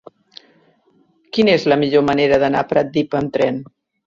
Quina és la millor manera d'anar a Pratdip amb tren?